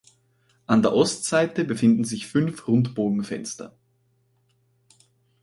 An der Ostseite befinden sich fünf Rundbogenfenster.